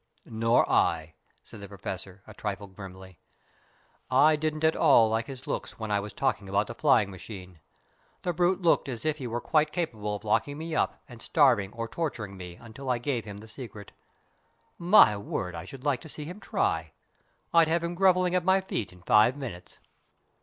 "Nor I," said the Professor, a trifle grimly. "I didn't at all like his looks when I was talking about the flying machine. The brute looked as if he were quite capable of locking me up and starving or torturing me until I gave him the secret. My word, I should like to see him try! I'd have him grovelling at my feet in five minutes."